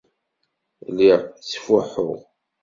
Lliɣ ttfuḥuɣ.